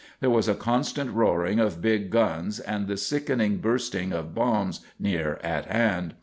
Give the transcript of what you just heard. There was a constant roaring of big guns and the sickening bursting of bombs near at hand.